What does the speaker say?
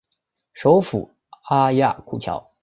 首府阿亚库乔。